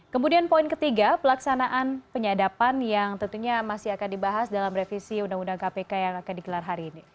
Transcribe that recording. kemudian poin ketiga pelaksanaan penyadapan yang tentunya masih akan dibahas dalam revisi undang undang kpk yang akan digelar hari ini